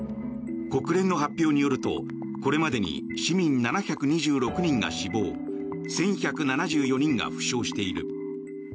国連の発表によると、これまでに市民７２６人が死亡１１７４人が負傷している。